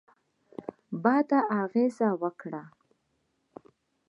بده اغېزه وکړه.